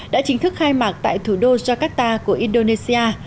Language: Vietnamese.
đã chính thức khai mạc tại thủ đô jakarta của indonesia